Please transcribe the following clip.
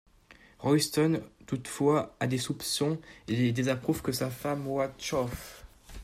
Royston, toutefois, a des soupçons et désapprouve que sa femme voie Tcheoff.